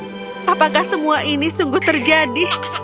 oh will apakah semua ini sungguh terjadi